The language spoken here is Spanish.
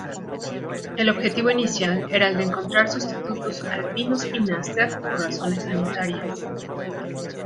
El objetivo inicial era el de encontrar sustitutos al "Pinus pinaster" por razones sanitarias.